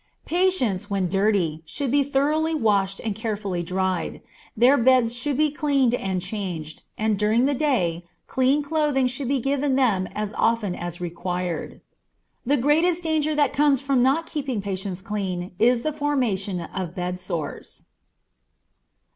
Patients, when dirty, should be thoroughly washed and carefully dried. Their beds should be cleaned and changed, and during the day clean clothing should be given them as often as required. The greatest danger that comes from not keeping patients clean is the formation of bed sores.